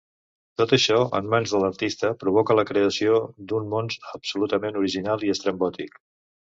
Tot això, en mans de l'artista, provoca la creació d'un món absolutament original i estrambòtic.